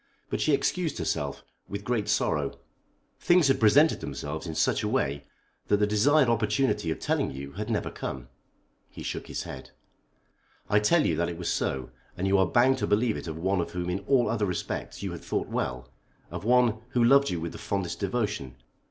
But she excused herself, with great sorrow. Things had presented themselves in such a way that the desired opportunity of telling you had never come." He shook his head. "I tell you that it was so, and you are bound to believe it of one of whom in all other respects you had thought well; of one who loved you with the fondest devotion.